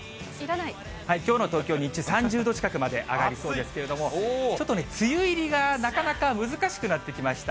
きょうの東京、日中、３０度近くまで上がりそうですけれども、ちょっと梅雨入りがなかなか難しくなってきました。